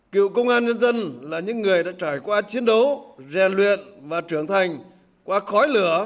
cựu công an nhân dân là những người đã trải qua chiến đấu rèn luyện và trưởng thành qua khói lửa